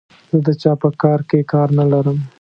زه د چا په کار کې کار نه لرم.